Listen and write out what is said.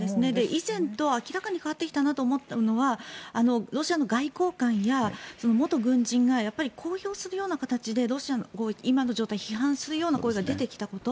以前と明らかに変わってきたなと思ったのはロシアの外交官や元軍人が公表するような形でロシアの今の状態を批判するような声が出てきたこと。